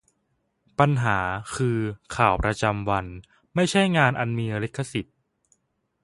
'ปัญหา' คือ ข่าวประจำวัน ไม่ใช่งานอันมีลิขสิทธิ์